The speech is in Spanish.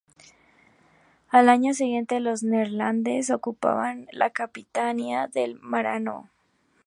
Al año siguiente los neerlandeses ocupaban la Capitanía del Maranhão.